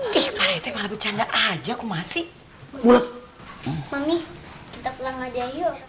kita malah bercanda aja aku masih boleh mami kita pulang aja yuk